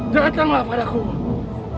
datanglah padaku wulan